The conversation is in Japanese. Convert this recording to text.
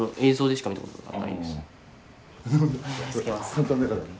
簡単だからね。